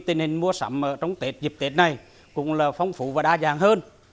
tình hình mua sắm trong tết dịp tết này cũng là phong phú và đa dạng hơn